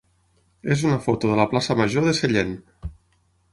és una foto de la plaça major de Sellent.